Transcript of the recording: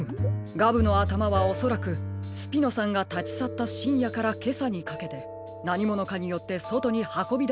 ガブのあたまはおそらくスピノさんがたちさったしんやからけさにかけてなにものかによってそとにはこびだされたのでしょう。